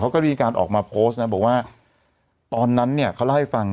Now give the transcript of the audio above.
ก็ได้มีการออกมาโพสต์นะบอกว่าตอนนั้นเนี่ยเขาเล่าให้ฟัง